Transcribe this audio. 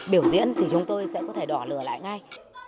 biểu diễn thì chúng tôi sẽ có thể đỏ lửa lại ngay